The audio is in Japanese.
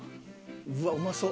うわっうまそう！